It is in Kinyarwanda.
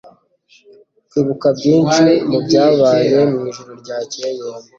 kwibuka byinshi mubyabaye mwijoro ryakeye